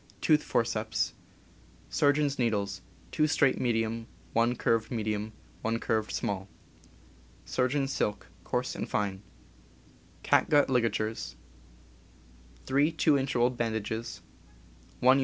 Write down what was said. Tooth forceps. Surgeon's needles: 2 straight medium, 1 curved medium, 1 curved small. Surgeon's silk, coarse and fine. Catgut ligatures. 3 2 in. rolled bandages. 1 yd.